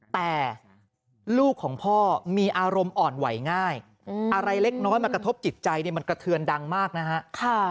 แต่ลูกของพ่อมีอารมณ์อ่อนไหวง่ายอะไรเล็กน้อยมากระทบจิตใจเนี่ยมันกระเทือนดังมากนะฮะ